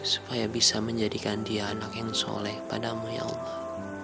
supaya bisa menjadikan dia anak yang soleh padamu ya allah